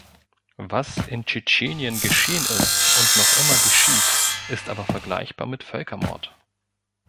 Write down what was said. Was in Tschetschenien geschehen ist und noch immer geschieht, ist aber vergleichbar mit Völkermord.